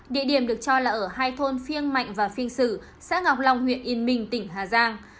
địa điểm được cho là ở hai thôn phiêng mạnh và phiên sử xã ngọc long huyện yên minh tỉnh hà giang